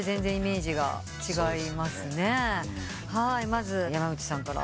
まず山内さんから。